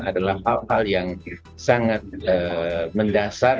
adalah hal hal yang sangat mendasar